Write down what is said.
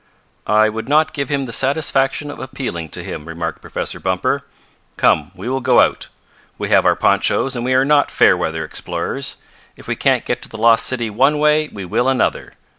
"I would not give him the satisfaction of appealing to him," remarked Professor Bumper. "Come, we will go out. We have our ponchos, and we are not fair weather explorers. If we can't get to the lost city one way we will another.